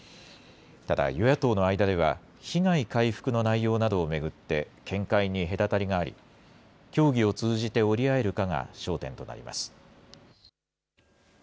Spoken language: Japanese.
ただ、与野党の間では、被害回復の内容などを巡って、見解に隔たりがあり、協議を通じて折り合えるかが焦点となります。